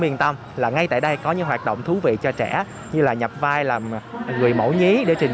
yên tâm là ngay tại đây có những hoạt động thú vị cho trẻ như là nhập vai làm người mẫu nhí để trình